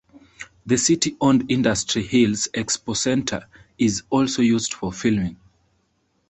The city-owned Industry Hills Expo Center is also used for filming.